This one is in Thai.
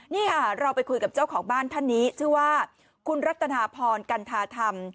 นี่ค่ะเราไปคุยกับเจ้าของบ้านท่านนี้ชื่อว่าคุณรัตนาพรกันทาธรรม